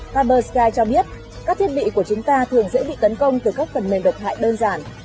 caper sky cho biết các thiết bị của chúng ta thường dễ bị tấn công từ các phần mềm độc hại đơn giản